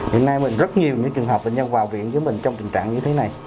hiện nay mình rất nhiều những trường hợp bệnh nhân vào viện với mình trong tình trạng như thế này